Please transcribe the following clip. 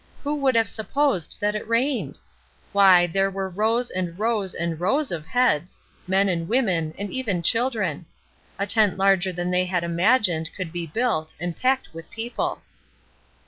Who would have supposed that it rained! Why, there were rows and rows and rows of heads, men and women, and even children. A tent larger than they had imagined could be built and packed with people.